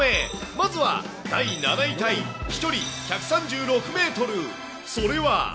まずは、第７位タイ、飛距離１３６メートル、それは？